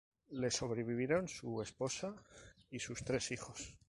Le sobrevivieron su esposa y sus tres hijos.